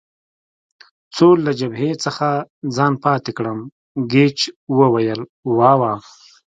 څو له جبهې څخه ځان پاتې کړم، ګېج وویل: وا وا.